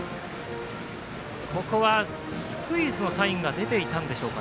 ここはスクイズのサインが出ていたんでしょうか？